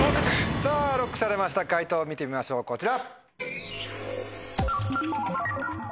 さぁＬＯＣＫされました解答を見てみましょうこちら。